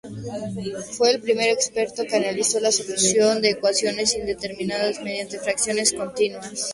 Fue el primer experto que analizó la solución de ecuaciones indeterminadas mediante fracciones continuas.